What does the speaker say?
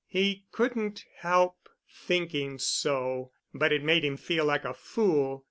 He couldn't help thinking so, but it made him feel like a fool.